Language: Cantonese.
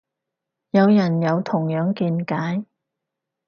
有人有同樣見解